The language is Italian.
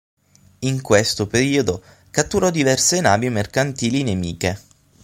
In questo periodo, catturò diverse navi mercantili nemiche.